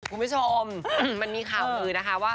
คุณผู้ชมมันมีข่าวลือนะคะว่า